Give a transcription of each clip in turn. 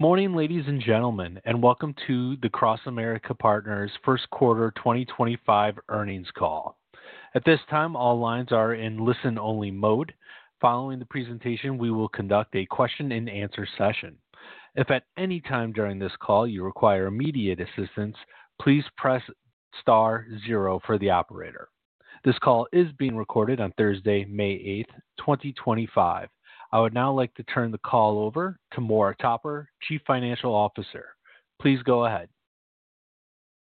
Morning, ladies and gentlemen, and welcome to the CrossAmerica Partners First Quarter 2025 Earnings Call. At this time, all lines are in listen-only mode. Following the presentation, we will conduct a question-and-answer session. If at any time during this call you require immediate assistance, please press star zero for the operator. This call is being recorded on Thursday, May 8th, 2025. I would now like to turn the call over to Maura Topper, Chief Financial Officer. Please go ahead.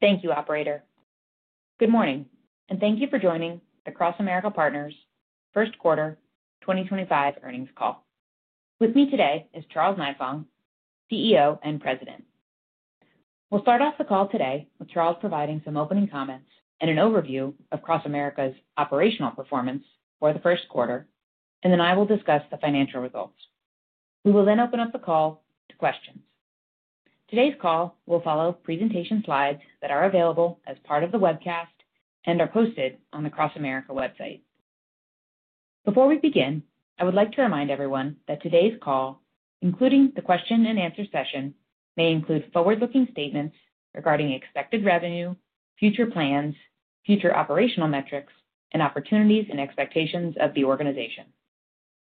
Thank you, Operator. Good morning, and thank you for joining the CrossAmerica Partners First Quarter 2025 Earnings Call. With me today is Charles Nifong, CEO and President. We'll start off the call today with Charles providing some opening comments and an overview of CrossAmerica's operational performance for the first quarter, and then I will discuss the financial results. We will then open up the call to questions. Today's call will follow presentation slides that are available as part of the webcast and are posted on the CrossAmerica website. Before we begin, I would like to remind everyone that today's call, including the question-and-answer session, may include forward-looking statements regarding expected revenue, future plans, future operational metrics, and opportunities and expectations of the organization.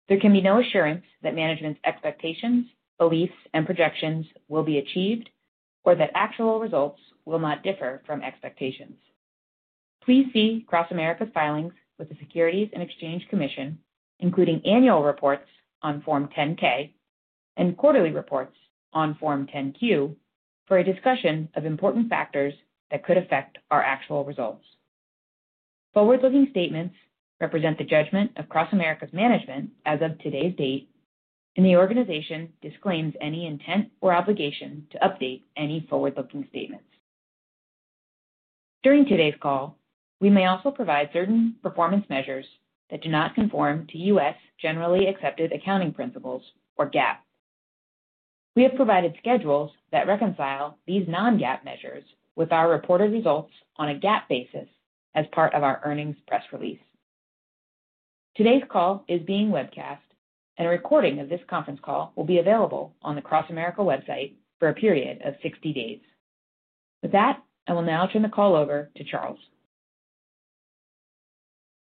There can be no assurance that management's expectations, beliefs, and projections will be achieved or that actual results will not differ from expectations. Please see CrossAmerica's filings with the Securities and Exchange Commission, including annual reports on Form 10-K and quarterly reports on Form 10-Q, for a discussion of important factors that could affect our actual results. Forward-looking statements represent the judgment of CrossAmerica's management as of today's date, and the organization disclaims any intent or obligation to update any forward-looking statements. During today's call, we may also provide certain performance measures that do not conform to U.S. generally accepted accounting principles, or GAAP. We have provided schedules that reconcile these non-GAAP measures with our reported results on a GAAP basis as part of our earnings press release. Today's call is being webcast, and a recording of this conference call will be available on the CrossAmerica website for a period of 60 days. With that, I will now turn the call over to Charles.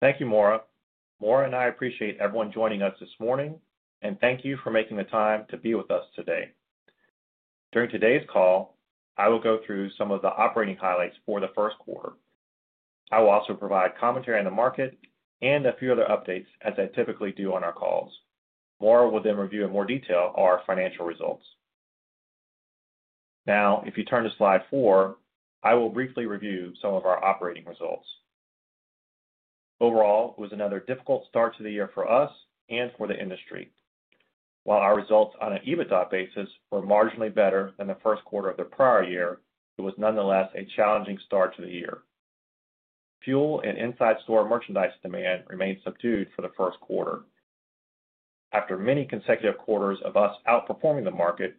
Thank you, Maura. Maura and I appreciate everyone joining us this morning, and thank you for making the time to be with us today. During today's call, I will go through some of the operating highlights for the first quarter. I will also provide commentary on the market and a few other updates as I typically do on our calls. Maura will then review in more detail our financial results. Now, if you turn to slide four, I will briefly review some of our operating results. Overall, it was another difficult start to the year for us and for the industry. While our results on an EBITDA basis were marginally better than the first quarter of the prior year, it was nonetheless a challenging start to the year. Fuel and inside store merchandise demand remained subdued for the first quarter. After many consecutive quarters of us outperforming the market,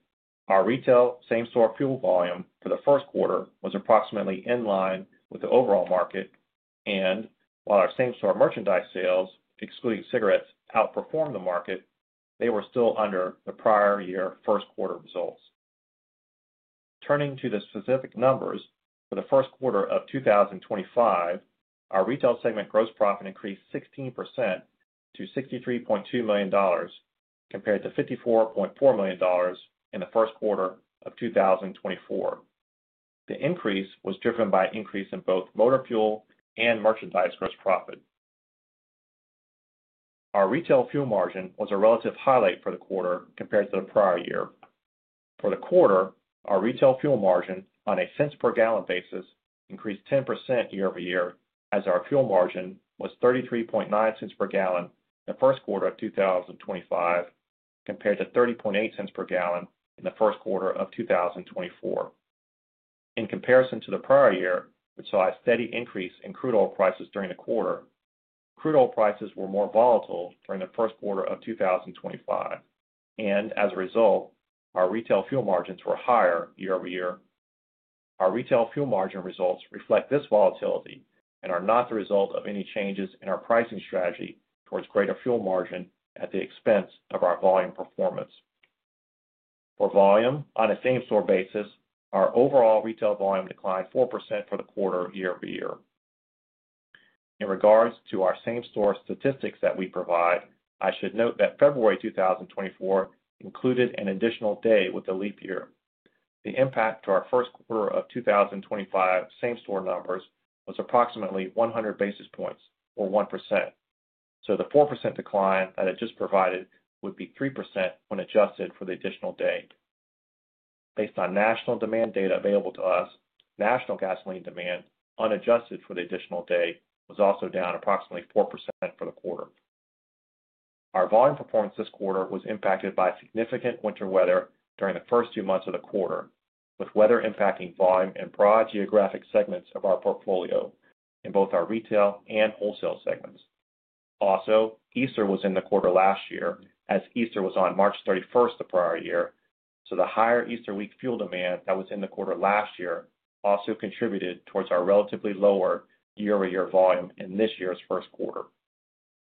our retail same-store fuel volume for the first quarter was approximately in line with the overall market, and while our same-store merchandise sales, excluding cigarettes, outperformed the market, they were still under the prior year first quarter results. Turning to the specific numbers, for the first quarter of 2025, our retail segment gross profit increased 16% to $63.2 million compared to $54.4 million in the first quarter of 2024. The increase was driven by an increase in both motor fuel and merchandise gross profit. Our retail fuel margin was a relative highlight for the quarter compared to the prior year. For the quarter, our retail fuel margin on a cents per gallon basis increased 10% year-over-year as our fuel margin was $33.9 per gallon in the first quarter of 2025 compared to $30.8 per gallon in the first quarter of 2024. In comparison to the prior year, which saw a steady increase in crude oil prices during the quarter, crude oil prices were more volatile during the first quarter of 2025, and as a result, our retail fuel margins were higher year-over-year. Our retail fuel margin results reflect this volatility and are not the result of any changes in our pricing strategy towards greater fuel margin at the expense of our volume performance. For volume, on a same-store basis, our overall retail volume declined 4% for the quarter year-over-year. In regards to our same-store statistics that we provide, I should note that February 2024 included an additional day with a leap year. The impact to our first quarter of 2025 same-store numbers was approximately 100 basis points, or 1%. The 4% decline that I just provided would be 3% when adjusted for the additional day. Based on national demand data available to us, national gasoline demand unadjusted for the additional day was also down approximately 4% for the quarter. Our volume performance this quarter was impacted by significant winter weather during the first few months of the quarter, with weather impacting volume and broad geographic segments of our portfolio in both our retail and wholesale segments. Also, Easter was in the quarter last year, as Easter was on March 31 the prior year, so the higher Easter week fuel demand that was in the quarter last year also contributed towards our relatively lower year-over-year volume in this year's first quarter.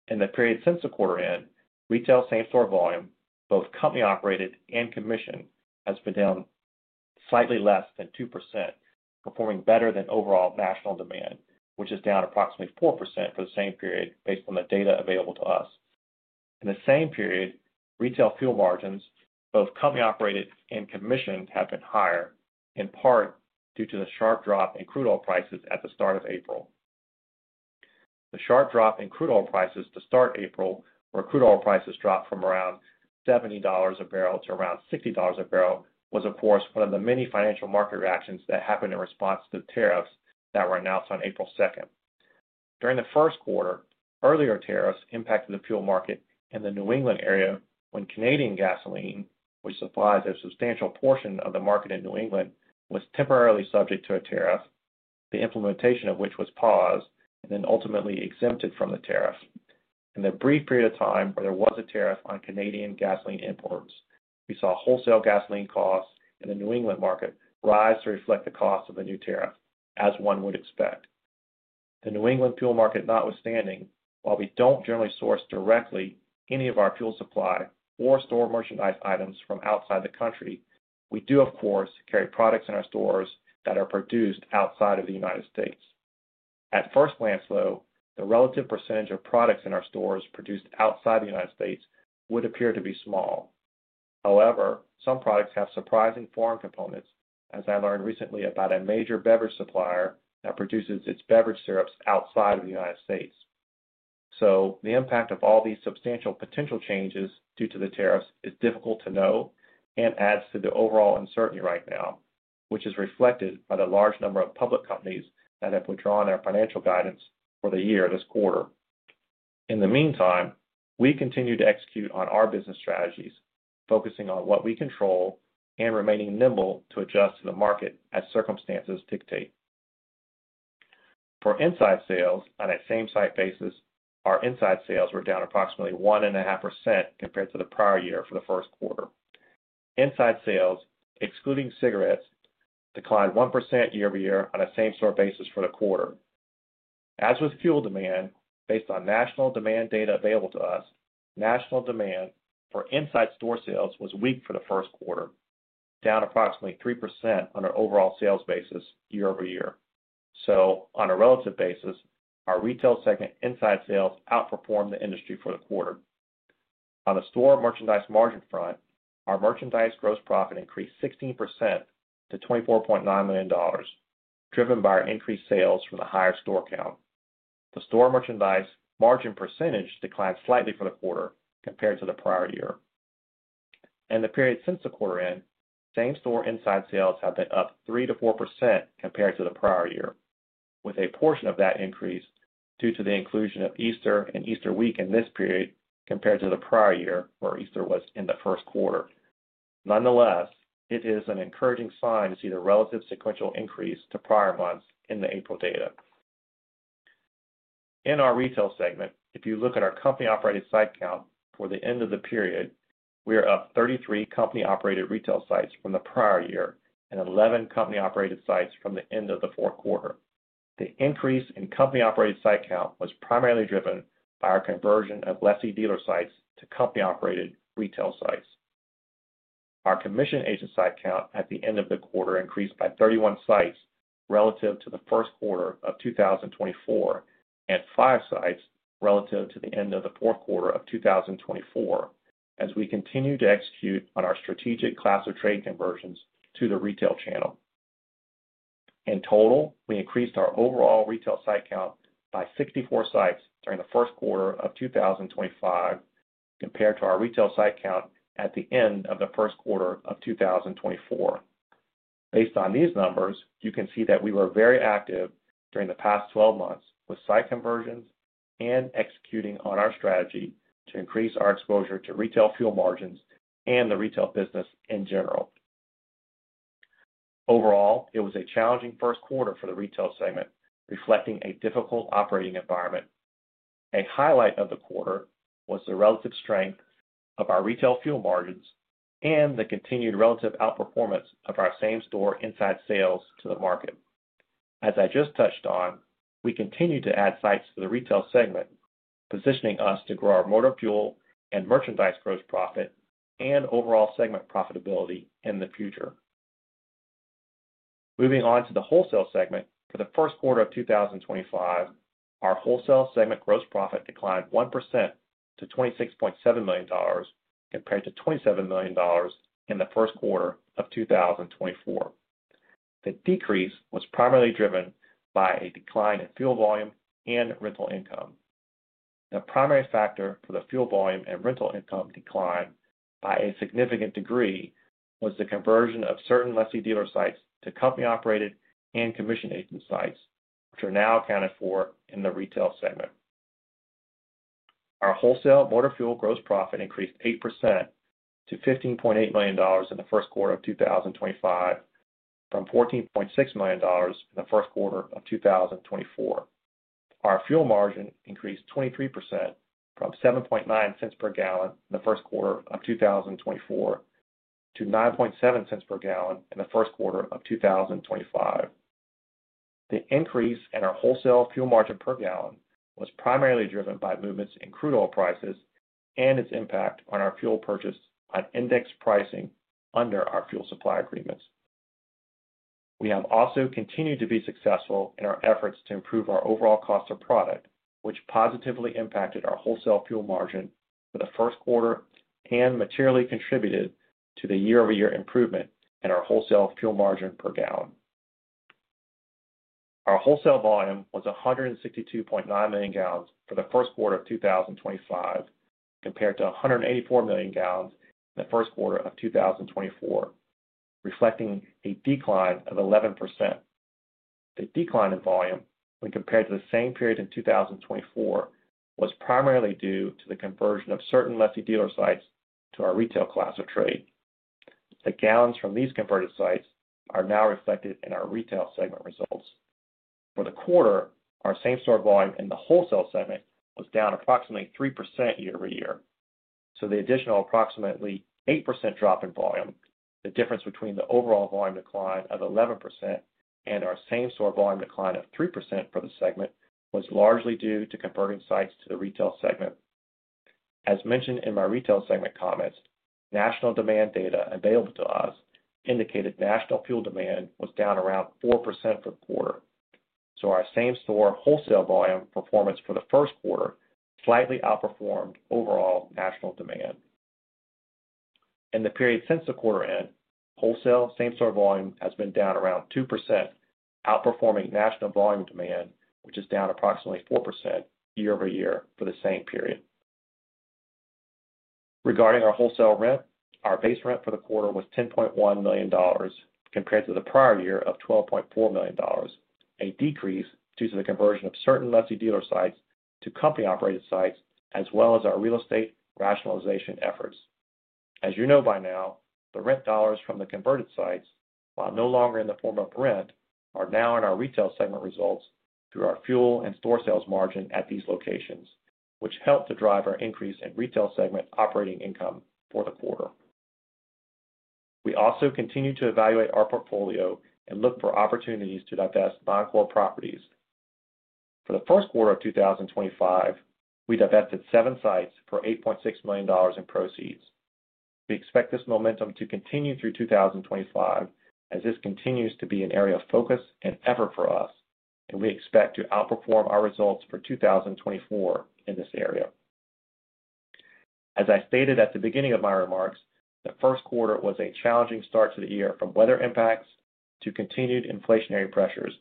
In the period since the quarter end, retail same-store volume, both company-operated and commissioned, has been down slightly less than 2%, performing better than overall national demand, which is down approximately 4% for the same period based on the data available to us. In the same period, retail fuel margins, both company-operated and commissioned, have been higher, in part due to the sharp drop in crude oil prices at the start of April. The sharp drop in crude oil prices to start April, where crude oil prices dropped from around $70 a barrel to around $60 a barrel, was, of course, one of the many financial market reactions that happened in response to the tariffs that were announced on April 2nd. During the first quarter, earlier tariffs impacted the fuel market in the New England area when Canadian gasoline, which supplies a substantial portion of the market in New England, was temporarily subject to a tariff, the implementation of which was paused and then ultimately exempted from the tariff. In the brief period of time where there was a tariff on Canadian gasoline imports, we saw wholesale gasoline costs in the New England market rise to reflect the cost of the new tariff, as one would expect. The New England fuel market notwithstanding, while we don't generally source directly any of our fuel supply or store merchandise items from outside the country, we do, of course, carry products in our stores that are produced outside of the United States. At first glance, though, the relative percentage of products in our stores produced outside the United States would appear to be small. However, some products have surprising foreign components, as I learned recently about a major beverage supplier that produces its beverage syrups outside of the United States. The impact of all these substantial potential changes due to the tariffs is difficult to know and adds to the overall uncertainty right now, which is reflected by the large number of public companies that have withdrawn their financial guidance for the year this quarter. In the meantime, we continue to execute on our business strategies, focusing on what we control and remaining nimble to adjust to the market as circumstances dictate. For inside sales, on a same-site basis, our inside sales were down approximately 1.5% compared to the prior year for the first quarter. Inside sales, excluding cigarettes, declined 1% year-over-year on a same-store basis for the quarter. As with fuel demand, based on national demand data available to us, national demand for inside store sales was weak for the first quarter, down approximately 3% on our overall sales basis year-over-year. On a relative basis, our retail segment inside sales outperformed the industry for the quarter. On the store merchandise margin front, our merchandise gross profit increased 16% to $24.9 million, driven by our increased sales from the higher store count. The store merchandise margin percentage declined slightly for the quarter compared to the prior year. In the period since the quarter end, same-store inside sales have been up 3%-4% compared to the prior year, with a portion of that increase due to the inclusion of Easter and Easter week in this period compared to the prior year, where Easter was in the first quarter. Nonetheless, it is an encouraging sign to see the relative sequential increase to prior months in the April data. In our retail segment, if you look at our company-operated site count for the end of the period, we are up 33 company-operated retail sites from the prior year and 11 company-operated sites from the end of the fourth quarter. The increase in company-operated site count was primarily driven by our conversion of lessee dealer sites to company-operated retail sites. Our commission agent site count at the end of the quarter increased by 31 sites relative to the first quarter of 2024 and 5 sites relative to the end of the fourth quarter of 2024, as we continue to execute on our strategic class of trade conversions to the retail channel. In total, we increased our overall retail site count by 64 sites during the first quarter of 2025 compared to our retail site count at the end of the first quarter of 2024. Based on these numbers, you can see that we were very active during the past 12 months with site conversions and executing on our strategy to increase our exposure to retail fuel margins and the retail business in general. Overall, it was a challenging first quarter for the retail segment, reflecting a difficult operating environment. A highlight of the quarter was the relative strength of our retail fuel margins and the continued relative outperformance of our same-store inside sales to the market. As I just touched on, we continued to add sites to the retail segment, positioning us to grow our motor fuel and merchandise gross profit and overall segment profitability in the future. Moving on to the wholesale segment, for the first quarter of 2025, our wholesale segment gross profit declined 1% to $26.7 million compared to $27 million in the first quarter of 2024. The decrease was primarily driven by a decline in fuel volume and rental income. The primary factor for the fuel volume and rental income decline by a significant degree was the conversion of certain lessee dealer sites to company-operated and commission agent sites, which are now accounted for in the retail segment. Our wholesale motor fuel gross profit increased 8% to $15.8 million in the first quarter of 2025 from $14.6 million in the first quarter of 2024. Our fuel margin increased 23% from $7.9 per gallon in the first quarter of 2024 to $9.7 per gallon in the first quarter of 2025. The increase in our wholesale fuel margin per gallon was primarily driven by movements in crude oil prices and its impact on our fuel purchase on index pricing under our fuel supply agreements. We have also continued to be successful in our efforts to improve our overall cost of product, which positively impacted our wholesale fuel margin for the first quarter and materially contributed to the year-over-year improvement in our wholesale fuel margin per gallon. Our wholesale volume was 162.9 million gallons for the first quarter of 2025 compared to 184 million gallons in the first quarter of 2024, reflecting a decline of 11%. The decline in volume, when compared to the same period in 2024, was primarily due to the conversion of certain lessee dealer sites to our retail class of trade. The gallons from these converted sites are now reflected in our retail segment results. For the quarter, our same-store volume in the wholesale segment was down approximately 3% year-over-year. The additional approximately 8% drop in volume, the difference between the overall volume decline of 11% and our same-store volume decline of 3% for the segment, was largely due to converting sites to the retail segment. As mentioned in my retail segment comments, national demand data available to us indicated national fuel demand was down around 4% for the quarter. Our same-store wholesale volume performance for the first quarter slightly outperformed overall national demand. In the period since the quarter end, wholesale same-store volume has been down around 2%, outperforming national volume demand, which is down approximately 4% year-over-year for the same period. Regarding our wholesale rent, our base rent for the quarter was $10.1 million compared to the prior year of $12.4 million, a decrease due to the conversion of certain lessee dealer sites to company-operated sites, as well as our real estate rationalization efforts. As you know by now, the rent dollars from the converted sites, while no longer in the form of rent, are now in our retail segment results through our fuel and store sales margin at these locations, which helped to drive our increase in retail segment operating income for the quarter. We also continue to evaluate our portfolio and look for opportunities to divest non-core properties. For the first quarter of 2025, we divested seven sites for $8.6 million in proceeds. We expect this momentum to continue through 2025, as this continues to be an area of focus and effort for us, and we expect to outperform our results for 2024 in this area. As I stated at the beginning of my remarks, the first quarter was a challenging start to the year from weather impacts to continued inflationary pressures,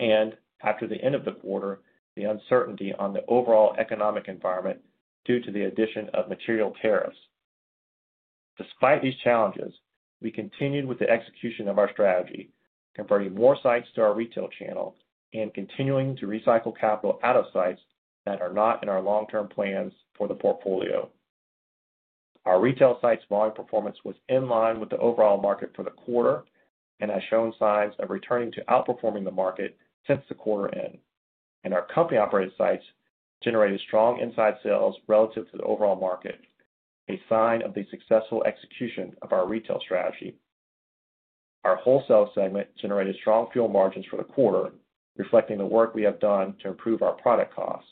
and after the end of the quarter, the uncertainty on the overall economic environment due to the addition of material tariffs. Despite these challenges, we continued with the execution of our strategy, converting more sites to our retail channel and continuing to recycle capital out of sites that are not in our long-term plans for the portfolio. Our retail sites' volume performance was in line with the overall market for the quarter and has shown signs of returning to outperforming the market since the quarter end. Our company-operated sites generated strong inside sales relative to the overall market, a sign of the successful execution of our retail strategy. Our wholesale segment generated strong fuel margins for the quarter, reflecting the work we have done to improve our product costs.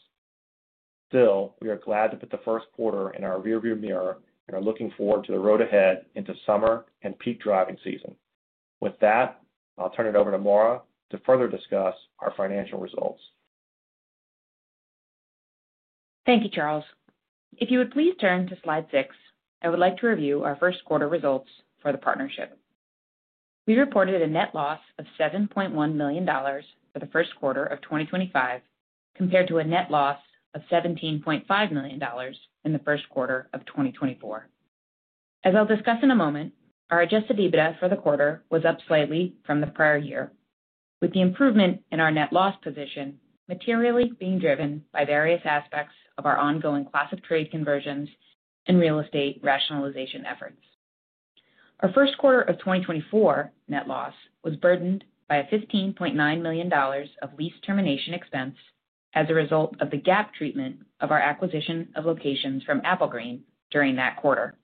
Still, we are glad to put the first quarter in our rearview mirror and are looking forward to the road ahead into summer and peak driving season. With that, I'll turn it over to Maura to further discuss our financial results. Thank you, Charles. If you would please turn to slide 6, I would like to review our first quarter results for the partnership. We reported a net loss of $7.1 million for the first quarter of 2025 compared to a net loss of $17.5 million in the first quarter of 2024. As I'll discuss in a moment, our adjusted EBITDA for the quarter was up slightly from the prior year, with the improvement in our net loss position materially being driven by various aspects of our ongoing class of trade conversions and real estate rationalization efforts. Our first quarter of 2024 net loss was burdened by $15.9 million of lease termination expense as a result of the GAAP treatment of our acquisition of locations from Apple Green during that quarter.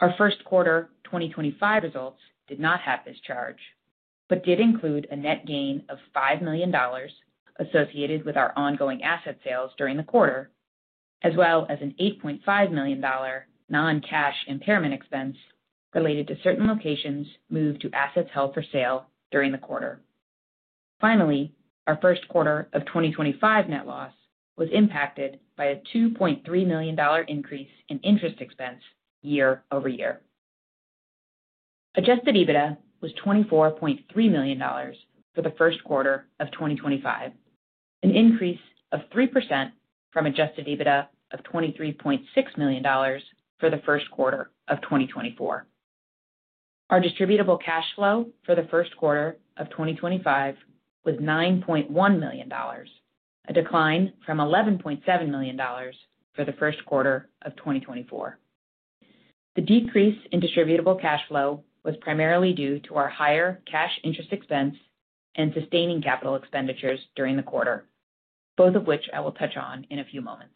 Our first quarter 2025 results did not have this charge but did include a net gain of $5 million associated with our ongoing asset sales during the quarter, as well as an $8.5 million non-cash impairment expense related to certain locations moved to assets held for sale during the quarter. Finally, our first quarter of 2025 net loss was impacted by a $2.3 million increase in interest expense year-over-year. Adjusted EBITDA was $24.3 million for the first quarter of 2025, an increase of 3% from adjusted EBITDA of $23.6 million for the first quarter of 2024. Our distributable cash flow for the first quarter of 2025 was $9.1 million, a decline from $11.7 million for the first quarter of 2024. The decrease in distributable cash flow was primarily due to our higher cash interest expense and sustaining capital expenditures during the quarter, both of which I will touch on in a few moments.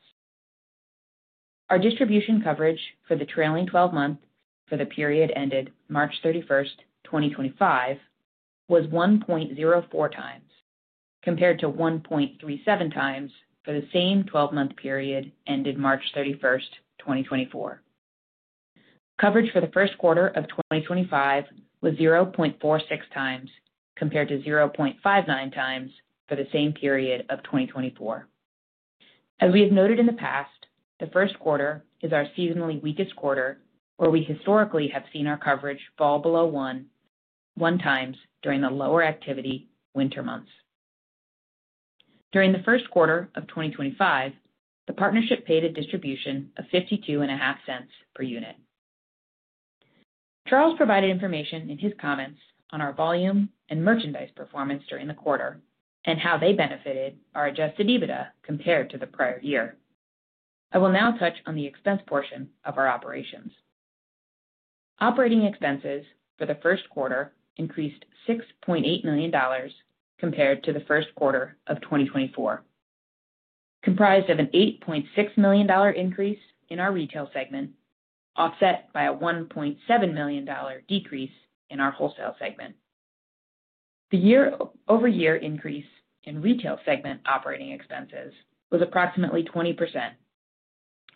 Our distribution coverage for the trailing 12 months for the period ended March 31, 2025, was 1.04 times compared to 1.37 times for the same 12-month period ended March 31, 2024. Coverage for the first quarter of 2025 was 0.46 times compared to 0.59 times for the same period of 2024. As we have noted in the past, the first quarter is our seasonally weakest quarter, where we historically have seen our coverage fall below 1 one time during the lower activity winter months. During the first quarter of 2025, the partnership paid a distribution of $0.52 per unit. Charles provided information in his comments on our volume and merchandise performance during the quarter and how they benefited our adjusted EBITDA compared to the prior year. I will now touch on the expense portion of our operations. Operating expenses for the first quarter increased $6.8 million compared to the first quarter of 2023, comprised of an $8.6 million increase in our retail segment, offset by a $1.7 million decrease in our wholesale segment. The year-over-year increase in retail segment operating expenses was approximately 20%,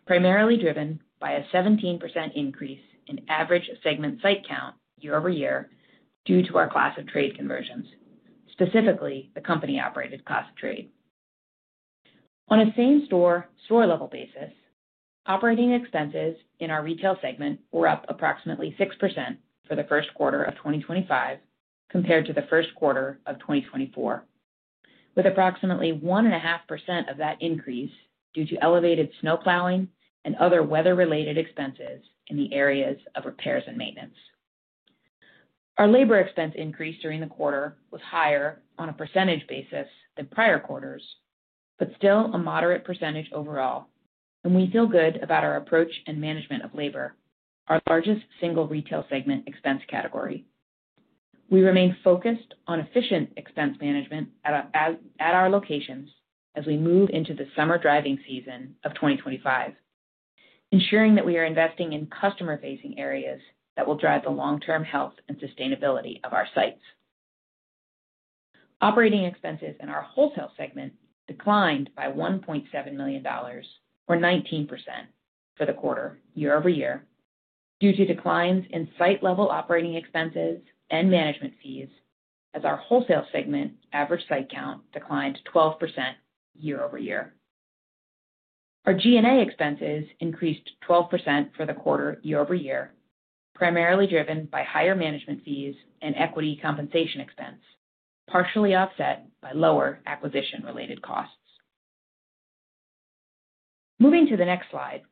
primarily driven by a 17% increase in average segment site count year-over-year due to our class of trade conversions, specifically the company-operated class of trade. On a same-store store-level basis, operating expenses in our retail segment were up approximately 6% for the first quarter of 2025 compared to the first quarter of 2024, with approximately 1.5% of that increase due to elevated snowplowing and other weather-related expenses in the areas of repairs and maintenance. Our labor expense increase during the quarter was higher on a percentage basis than prior quarters, but still a moderate percentage overall, and we feel good about our approach and management of labor, our largest single retail segment expense category. We remain focused on efficient expense management at our locations as we move into the summer driving season of 2025, ensuring that we are investing in customer-facing areas that will drive the long-term health and sustainability of our sites. Operating expenses in our wholesale segment declined by $1.7 million, or 19%, for the quarter year-over-year due to declines in site-level operating expenses and management fees, as our wholesale segment average site count declined 12% year-over-year. Our G&A expenses increased 12% for the quarter year-over-year, primarily driven by higher management fees and equity compensation expense, partially offset by lower acquisition-related costs. Moving to the next slide,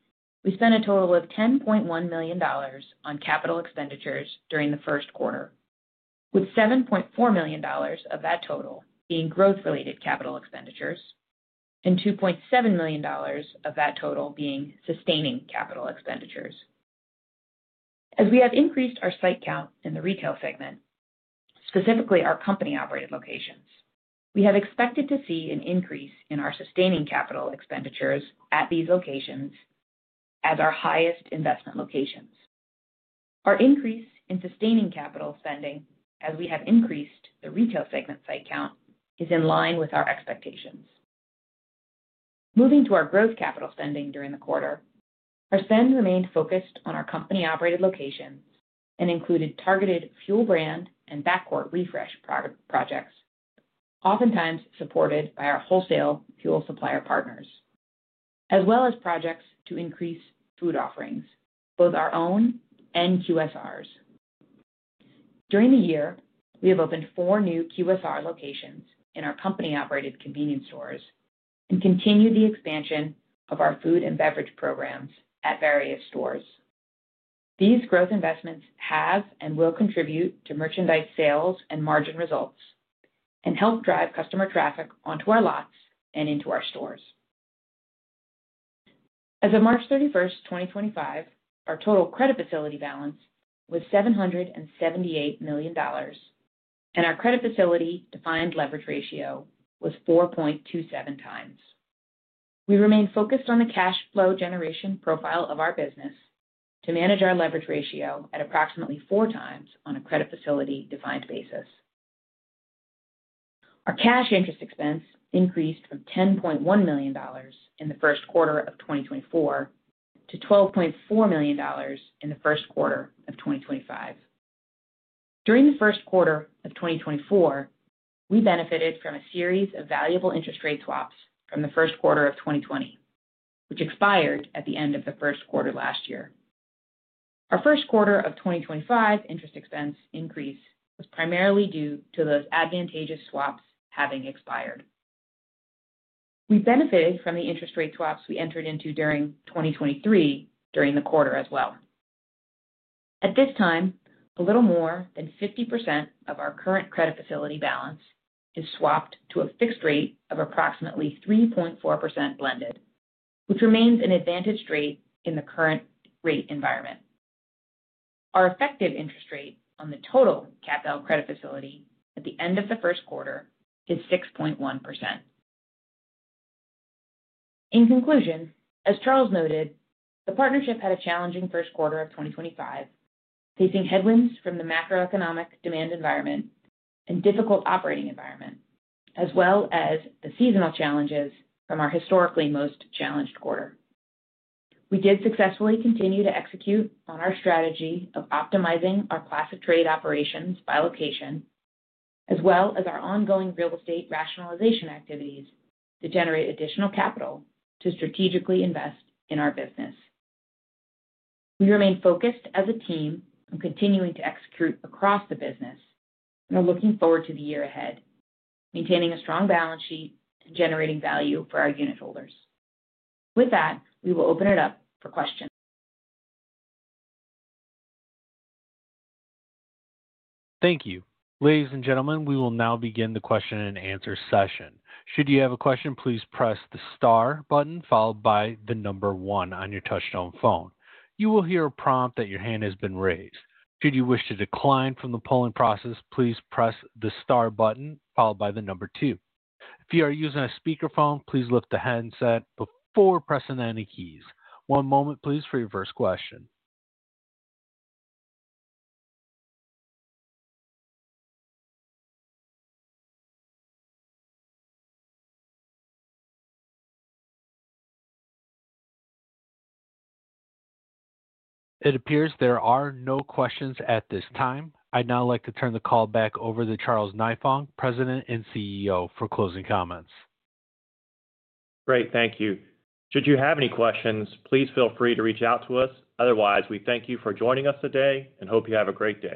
we spent a total of $10.1 million on capital expenditures during the first quarter, with $7.4 million of that total being growth-related capital expenditures and $2.7 million of that total being sustaining capital expenditures. As we have increased our site count in the retail segment, specifically our company-operated locations, we have expected to see an increase in our sustaining capital expenditures at these locations as our highest investment locations. Our increase in sustaining capital spending as we have increased the retail segment site count is in line with our expectations. Moving to our gross capital spending during the quarter, our spend remained focused on our company-operated locations and included targeted fuel brand and backcourt refresh projects, oftentimes supported by our wholesale fuel supplier partners, as well as projects to increase food offerings, both our own and QSRs. During the year, we have opened four new QSR locations in our company-operated convenience stores and continued the expansion of our food and beverage programs at various stores. These growth investments have and will contribute to merchandise sales and margin results and help drive customer traffic onto our lots and into our stores. As of March 31, 2025, our total credit facility balance was $778 million, and our credit facility-defined leverage ratio was 4.27 times. We remain focused on the cash flow generation profile of our business to manage our leverage ratio at approximately four times on a credit facility-defined basis. Our cash interest expense increased from $10.1 million in the first quarter of 2024 to $12.4 million in the first quarter of 2025. During the first quarter of 2024, we benefited from a series of valuable interest rate swaps from the first quarter of 2020, which expired at the end of the first quarter last year. Our first quarter of 2025 interest expense increase was primarily due to those advantageous swaps having expired. We benefited from the interest rate swaps we entered into during 2023 during the quarter as well. At this time, a little more than 50% of our current credit facility balance is swapped to a fixed rate of approximately 3.4% blended, which remains an advantage rate in the current rate environment. Our effective interest rate on the total CapDown credit facility at the end of the first quarter is 6.1%. In conclusion, as Charles noted, the partnership had a challenging first quarter of 2025, facing headwinds from the macroeconomic demand environment and difficult operating environment, as well as the seasonal challenges from our historically most challenged quarter. We did successfully continue to execute on our strategy of optimizing our class of trade operations by location, as well as our ongoing real estate rationalization activities to generate additional capital to strategically invest in our business. We remain focused as a team on continuing to execute across the business and are looking forward to the year ahead, maintaining a strong balance sheet and generating value for our unit holders. With that, we will open it up for questions. Thank you. Ladies and gentlemen, we will now begin the question-and-answer session. Should you have a question, please press the star button followed by the number one on your touch-tone phone. You will hear a prompt that your hand has been raised. Should you wish to decline from the polling process, please press the star button followed by the number two. If you are using a speakerphone, please lift the handset before pressing any keys. One moment, please, for your first question. It appears there are no questions at this time. I'd now like to turn the call back over to Charles Nifong, President and CEO, for closing comments. Great. Thank you. Should you have any questions, please feel free to reach out to us. Otherwise, we thank you for joining us today and hope you have a great day.